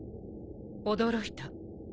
驚いた。